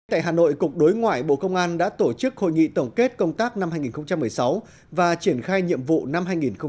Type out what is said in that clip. tại hà nội cục đối ngoại bộ công an đã tổ chức hội nghị tổng kết công tác năm hai nghìn một mươi sáu và triển khai nhiệm vụ năm hai nghìn một mươi chín